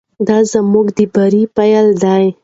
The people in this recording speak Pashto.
دا زموږ د بریا پیل دی.